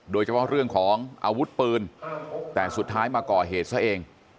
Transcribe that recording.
โดยเฉพาะเรื่องของอาวุธปืนแต่สุดท้ายมาก่อเหตุซะเอง